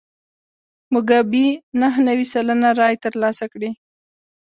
موګابي نهه نوي سلنه رایې ترلاسه کړې.